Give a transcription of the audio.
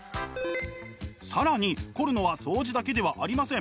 更に凝るのはそうじだけではありません。